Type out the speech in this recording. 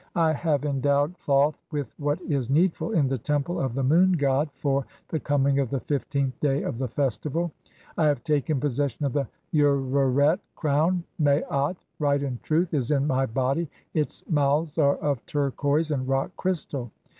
I have endowed (7) Thoth "[with what is needful] in the Temple of the Moon god for "the coming of the fifteenth day of the festival. I have taken "possession of the Ureret crown ; Maat (;'. e., right and truth) "is in my (8) body ; its mouths are of turquoise and rock crystal.